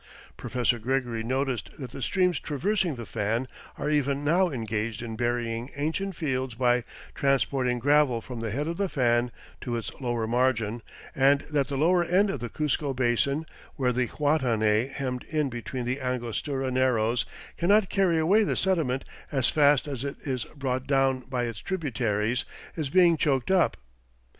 Professor Gregory noticed that the streams traversing the fan are even now engaged in burying ancient fields by "transporting gravel from the head of the fan to its lower margin," and that the lower end of the Cuzco Basin, where the Huatanay, hemmed in between the Angostura Narrows, cannot carry away the sediment as fast as it is brought down by its tributaries, is being choked up.